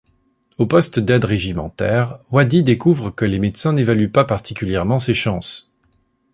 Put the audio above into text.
Au poste d'aide régimentaire, Waddy découvre que les médecins n'évaluent pas particulièrement ses chances.